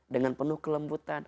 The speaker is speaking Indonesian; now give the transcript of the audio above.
dengan penuh kelembutan